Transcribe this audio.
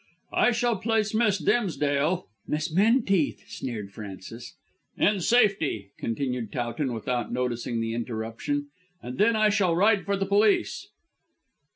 "I shall place Miss Dimsdale " "Miss Menteith," sneered Frances. "In safety," continued Towton without noticing the interruption, "and then I shall ride for the police."